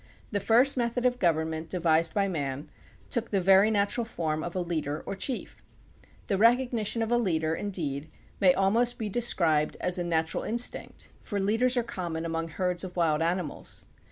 The first method of government devised by man took the very natural form of a leader or chief. The recognition of a leader, indeed, may almost be described as a natural instinct, for leaders are common among herds of wild animals.